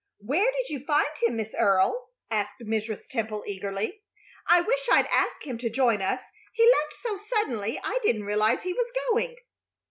Where did you find him, Miss Earle?" asked Mrs. Temple, eagerly. "I wish I'd asked him to join us. He left so suddenly I didn't realize he was going."